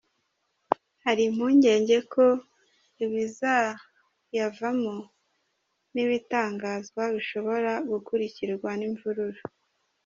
Hari impungenge ko ibizayavamo nibitangazwa bishobora gukurikirwa n’imvururu.